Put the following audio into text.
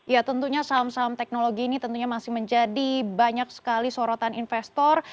ya tentunya saham saham teknologi ini tentunya masih menjadi banyak sekali sorotan investor